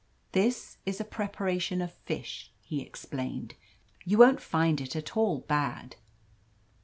"That is a preparation of fish," he explained. "You won't find it at all bad."